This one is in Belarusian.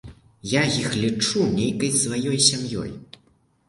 Я іх лічу нейкай сваёй сям'ёй.